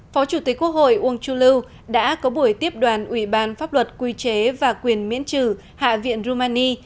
phó chủ tịch quốc hội uông chu lưu đã có buổi tiếp đoàn ủy ban pháp luật quy chế và quyền miễn trừ hạ viện rumani